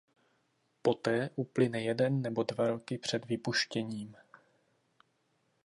Poté uplyne jeden nebo dva roky před vypuštěním.